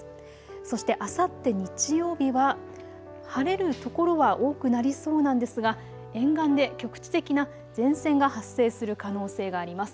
そしてあさって日曜日は晴れる所は多くなりそうなんですが沿岸で局地的な前線が発生する可能性があります。